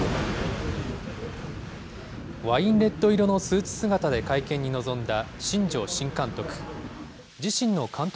ワインレッド色のスーツ姿で会見に臨んだ新庄新監督。